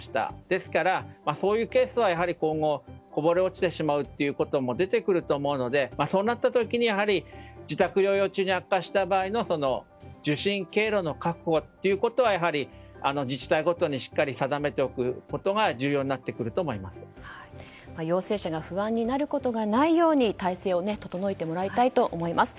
ですから、そういうケースはやはり今後こぼれ落ちてしまうということも出てくると思うのでそうなった時に自宅療養中に悪化した場合の受診経路の確保というのは自治体ごとにしっかり定めておくことが陽性者が不安になることがないように体制を整えてもらいたいと思います。